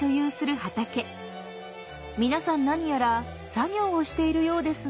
皆さん何やら作業をしているようですが。